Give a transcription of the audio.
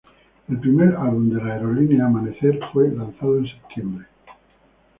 El primer álbum de la aerolínea, Amanecer, fue lanzado en septiembre.